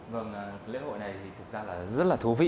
vâng lễ hội này thực ra là rất là thú vị